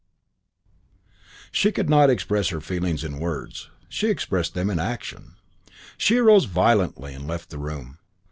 She could not express her feelings in words. She expressed them in action. She arose violently and left the room.